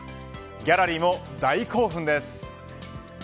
ギャラリーも大興奮です。